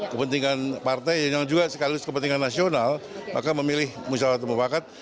kepentingan partai yang juga sekaligus kepentingan nasional maka memilih musyawarah atau mufakat